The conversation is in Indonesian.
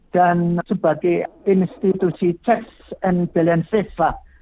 dan sebagai institusi checks and balances lah